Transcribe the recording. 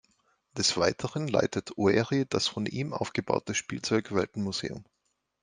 Des Weiteren leitet Oeri das von ihr aufgebaute Spielzeug Welten Museum.